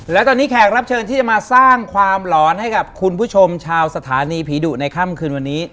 และตอนนี้แขกรับเชิญที่จะมาสร้างความหลอนให้กับคุณผู้ชมชาวสถานีผีดุในค่ำคืนวันนี้